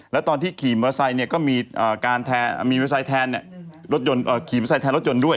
แล้วก็ขี่มอเตอร์ไซค์เนี่ยก็มีเวอร์ไซค์แทนรถยนต์ด้วย